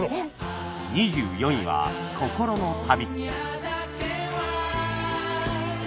２４位は『心の旅』